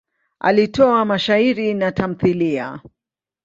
Alitoa mashairi na tamthiliya.